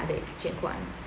để chuyển khoản